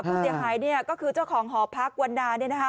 ผู้เสียหายก็คือเจ้าของหอพักวันนา